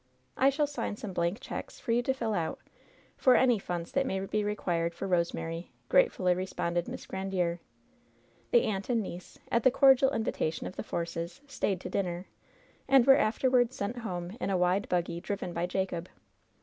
I shall sign some blank checks, for you to fill out, for any funds that may be required for Rosemary,'' gratefully responded Miss Grandiere. The aimt and niece, at the cordial invitation of the Forces, stayed to dinner, and were afterward sent home in a wide buggy driven by Jacob.